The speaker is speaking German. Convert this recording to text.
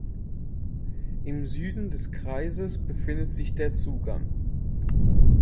Im Süden des Kreises befindet sich der Zugang.